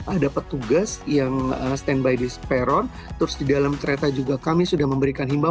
ada petugas yang standby di peron terus di dalam kereta juga kami sudah memberikan himbau